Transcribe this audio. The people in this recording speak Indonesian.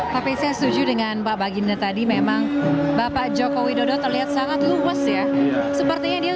habitin setuju karena baginda tadi memang bapak jokowi dari terlihat pacu vast ya sepertinya dia